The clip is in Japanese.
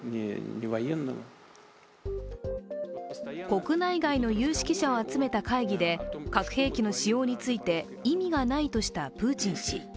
国内外の有識者を集めた会議で核兵器の使用について意味がないとしたプーチン氏。